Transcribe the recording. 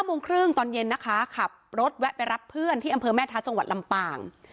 โมงครึ่งตอนเย็นนะคะขับรถแวะไปรับเพื่อนที่อำเภอแม่ท้าจังหวัดลำปาง